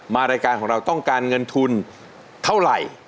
รายการของเราต้องการเงินทุนเท่าไหร่